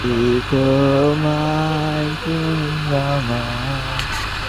আমার জীবনের একটা পরিচ্ছেদ শেষ হয়ে গেল।